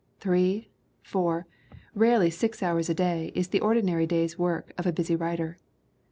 Three, four, rarely six hours a day is the ordi nary day's work of a busy writer.